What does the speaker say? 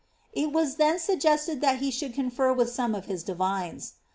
' It was then suggested that he should oofer with some of his divines.